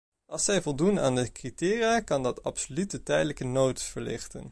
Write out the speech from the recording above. Als zij voldoen aan de criteria kan dat absoluut de tijdelijke nood verlichten.